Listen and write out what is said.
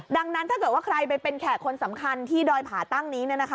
ดังนั้นถ้าเกิดว่าใครไปเป็นแขกคนสำคัญที่ดอยผ่าตั้งนี้